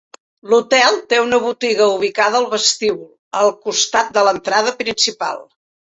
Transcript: L'hotel té una botiga ubicada al vestíbul, al costat de l'entrada principal.